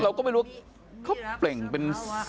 เราก็ไม่รู้ว่าเขาเปล่งเป็น